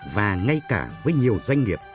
và ngay cả với nhiều doanh nghiệp